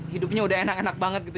hidupnya udah enak enak banget gitu